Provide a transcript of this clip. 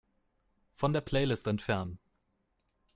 Von der Playlist entfernen.